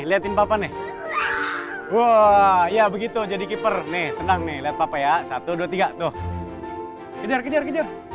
lihat papa nih wah ya begitu jadi kipar nih tenang nih lepap ya satu ratus dua puluh tiga tuh kejar kejar kejar